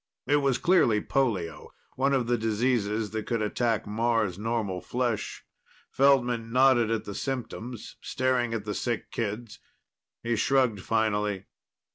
It was clearly polio one of the diseases that could attack Mars normal flesh. Feldman nodded at the symptoms, staring at the sick kids. He shrugged, finally.